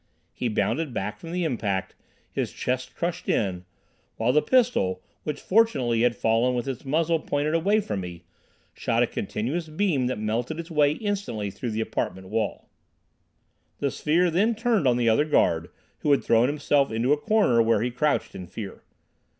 He bounded back from the impact, his chest crushed in, while his pistol, which fortunately had fallen with its muzzle pointed away from me, shot a continuous beam that melted its way instantly through the apartment wall. The sphere then turned on the other guard, who had thrown himself into a corner where he crouched in fear.